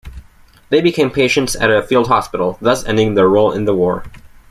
They become patients at a field hospital, thus ending their role in the war.